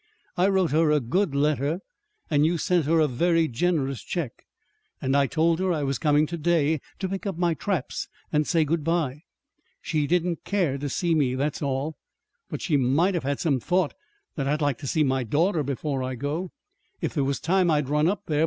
I wrote her a good letter, and you sent her a very generous check; and I told her I was coming to day to pick up my traps and say good bye. She didn't care to see me that's all. But she might have had some thought that I'd like to see my daughter before I go. If there was time I'd run up there.